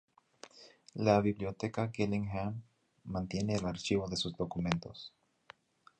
La Biblioteca Gillingham mantiene el archivo de sus documentos.